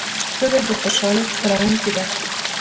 ښځه د خوشالۍ خپروونکې ده.